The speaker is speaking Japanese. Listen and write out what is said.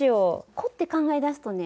凝って考え出すとね